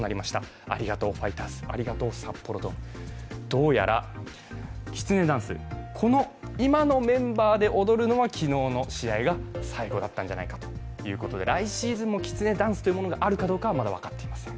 どうやら、きつねダンス、今のメンバーで踊るのは昨日の試合が最後だったんじゃないかということで来シーズンもきつねダンスというものがあるかどうかはまだ分かっていません。